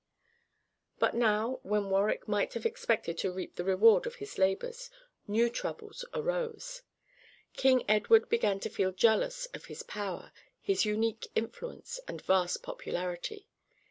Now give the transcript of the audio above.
But now, when Warwick might have expected to reap the reward of his labors, new troubles arose. King Edward began to feel jealous of his power, his unique influence, and vast popularity.